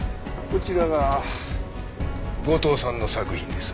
こちらが後藤さんの作品です。